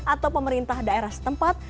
atau pemerintah daerah setempat